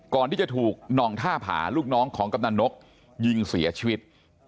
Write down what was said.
ก่อนที่จะถูกนองท่าผาลูกน้องของกำนันนกยิงเสียชีวิต